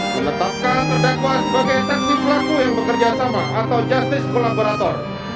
menetapkan terdakwa sebagai saksi pelaku yang bekerja sama atau justice kolaborator